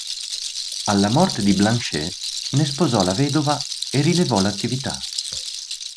Alla morte di Blanchet, ne sposò la vedova e rilevò l'attività.